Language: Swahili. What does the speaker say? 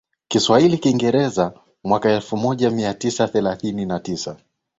Kiswahili Kiingereza mwaka elfumoja miatisa thelathini na tisa